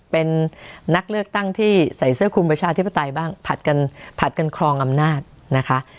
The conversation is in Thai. เป็นนักเลือกตั้งที่ใส่เสื้อคุมประชาธิปไตยบ้างผัดกันผัดกันครองอำนาจนะคะ